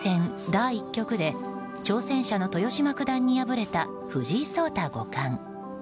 第１局で挑戦者の豊島九段に敗れた藤井聡太五冠。